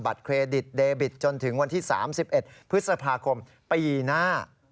เครดิตเดบิตจนถึงวันที่๓๑พฤษภาคมปีหน้า